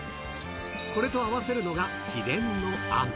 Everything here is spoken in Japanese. これと合わせるのが、秘伝のあん。